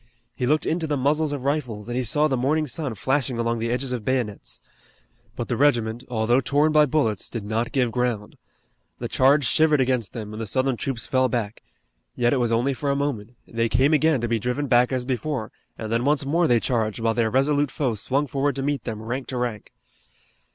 He looked into the muzzles of rifles, and he saw the morning sun flashing along the edges of bayonets. But the regiment, although torn by bullets, did not give ground. The charge shivered against them, and the Southern troops fell back. Yet it was only for a moment. They came again to be driven back as before, and then once more they charged, while their resolute foe swung forward to meet them rank to rank.